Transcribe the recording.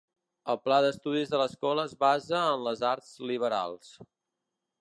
El pla d'estudis de l'escola es basa en les arts liberals.